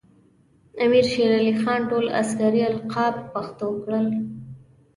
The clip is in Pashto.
امیر شیر علی خان ټول عسکري القاب پښتو کړل.